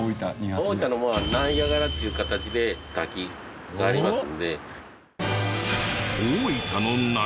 大分のナイアガラっていう形で滝がありますんで。